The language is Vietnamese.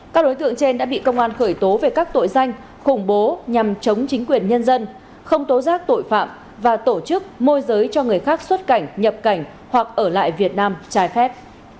các đối tượng trên đã bị công an khởi tố về các tội danh khủng bố nhằm chống chính quyền nhân dân không tố giác tội phạm và tổ chức môi giới cho người khác xuất cảnh nhập cảnh hoặc ở lại việt nam trái phép